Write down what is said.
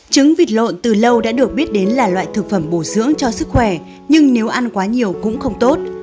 trứng vịt lộn từ lâu đã được biết đến là loại thực phẩm bổ dưỡng cho sức khỏe nhưng nếu ăn quá nhiều cũng không tốt